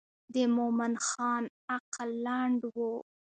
د مومن خان عقل لنډ و.